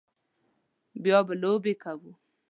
بیا به لوبې کوو